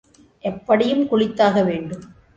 எப்படியும் குளித்தாக வேண்டும்!